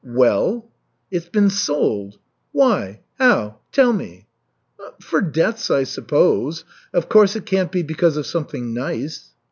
"Well?" "It's been sold." "Why? How? Tell me." "For debts, I suppose. Of course it can't be because of something nice."